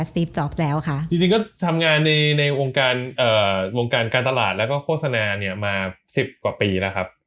สตรีฟจอบแซวค่ะจริงก็ทำงานในวงการการตลาดแล้วก็โฆษณาเนี่ยมา๑๐กว่าปีแล้วครับ